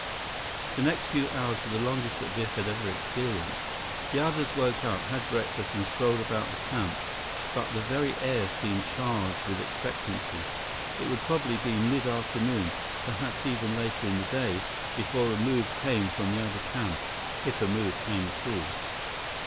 The next few hours were the longest that Biff had ever experienced. The others woke up, had breakfast, and strolled about the camp. But the very air seemed charged with expectancy. It would probably be mid afternoon, perhaps even later in the day, before a move came from the other camp—if a move came at all.